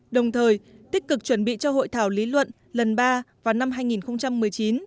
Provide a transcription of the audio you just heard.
đồng thời tích cực chuẩn bị cho hội thảo lý luận lần ba vào năm hai nghìn một mươi chín